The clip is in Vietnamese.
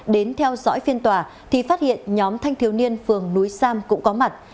đến theo dõi phiên tòa thì phát hiện nhóm thanh thiếu niên phường núi sam cũng có mặt